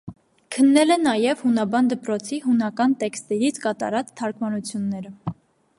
Քննել է նաև «հունաբան դպրոցի» հունական տեքստերից կատարած թարգմանությունները։